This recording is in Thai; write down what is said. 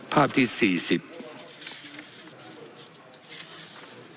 ภาพที่สี่สิบ